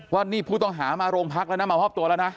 ว่านี่ผู้ต้องหามาโรงพักแล้วนะมามอบตัวแล้วนะ